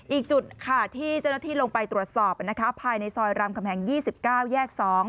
อีกจุดค่ะที่เจ้าหน้าที่ลงไปตรวจสอบภายในซอยรามคำแหง๒๙แยก๒